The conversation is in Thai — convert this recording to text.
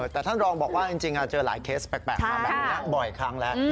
แต่ท่านรองบอกว่าจริงเจอหลายเคสแปลกมาแบบนี้บ่อยครั้งแล้ว